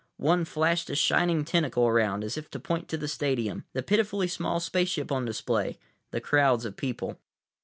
One flashed a shining tentacle around, as if to point to the stadium, the pitifully small spaceship on display, the crowds of people.